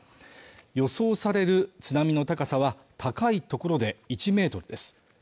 予想される津波の高さは高いところで１メートルです